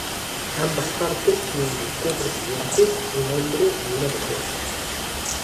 Ambas partes tienen de co-presidentes un hombre y una mujer.